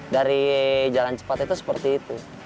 dari jalan cepat itu seperti itu